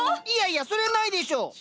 いやいやそりゃないでしょ。